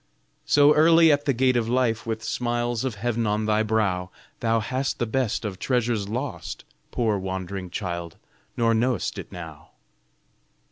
So early at the gate of life, With smiles of heav'n on thy brow, Thou hast the best of treasures lost, Poor wand'ring child, nor know'st it now.